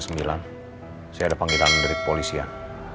saya ada panggilan dari polisian